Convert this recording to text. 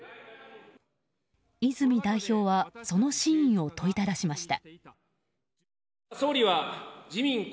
泉代表はその真意を問いただしました。